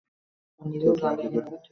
তোর জন্য কিছু করতে পারলাম না।